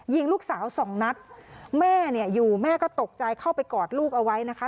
ยิงลูกสาวสองนัดแม่เนี่ยอยู่แม่ก็ตกใจเข้าไปกอดลูกเอาไว้นะคะ